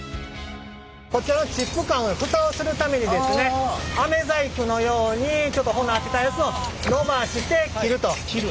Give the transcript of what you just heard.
こちらのチップ管を蓋をするためにあめ細工のようにちょっと炎当てたやつを伸ばして切ると。